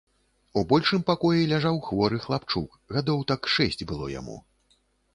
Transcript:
У большым пакоі ляжаў хворы хлапчук, гадоў так шэсць было яму.